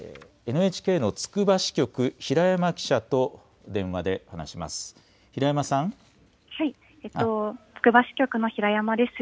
ＮＨＫのつくば支局、平山記者と電話で話します。